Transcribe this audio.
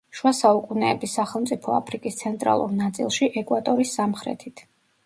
შუა საუკუნეების სახელმწიფო აფრიკის ცენტრალურ ნაწილში, ეკვატორის სამხრეთით.